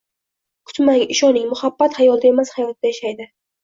Kutmang, ishoning, muhabbat xayolda emas, hayotda yashaydi